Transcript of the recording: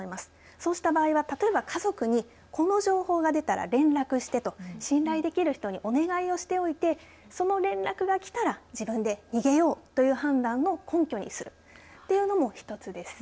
そうした場合は例えば、家族にこの情報が出たら連絡してと信頼できる人にお願いをしておいてその連絡が来たら自分で逃げようという判断の根拠にするというのも一つです。